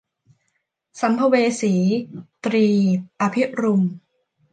สัมภเวสี - ตรี อภิรุม